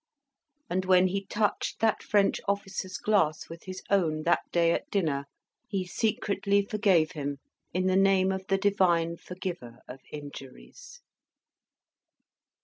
And when he touched that French officer's glass with his own, that day at dinner, he secretly forgave him in the name of the Divine Forgiver of injuries.